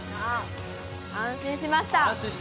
安心しました。